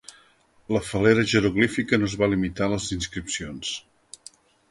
La fal·lera jeroglífica no es va limitar a les inscripcions.